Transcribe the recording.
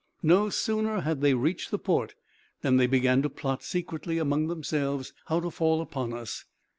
No sooner had they reached the port than they began to plot, secretly among themselves, how to fall upon us.